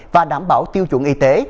và đảm bảo tiêu chuẩn y tế